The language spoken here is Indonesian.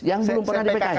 yang belum pernah di pks